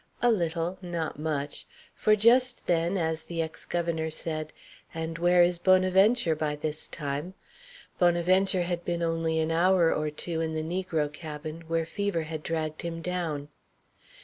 A little; not much; for just then, as the ex governor said, "And where is Bonaventure by this time?" Bonaventure had been only an hour or two in the negro cabin where fever had dragged him down.